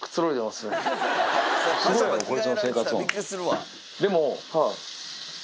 すごいやろ、こいつの生活音。